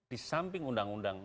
di samping undang undang